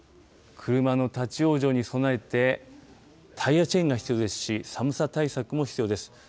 車の立往生に備えて、タイヤチェーンが必要ですし、寒さ対策も必要です。